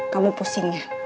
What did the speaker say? kamu pusing ya